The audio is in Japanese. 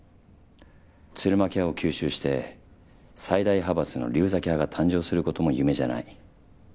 鶴巻派を吸収して最大派閥の竜崎派が誕生することも夢じゃない。